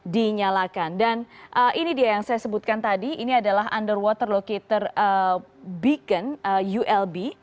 dan ini dia yang saya sebutkan tadi ini adalah underwater locator beacon ulb